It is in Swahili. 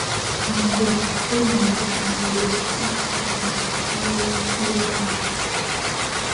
magufuli alimwapisha waziri mpya wa madini